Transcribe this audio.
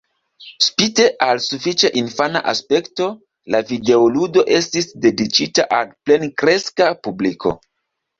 Spite al sufiĉe infana aspekto, la videoludo estis dediĉita al plenkreska publiko.